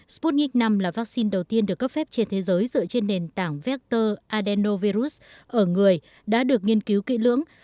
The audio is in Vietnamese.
sputnik v là vaccine đầu tiên được cấp phép trên thế giới dựa trên nền tảng vector adenovirus ở người đã được nghiên cứu kỹ lưỡng